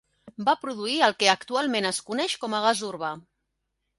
Va produir el que actualment es coneix com a gas urbà.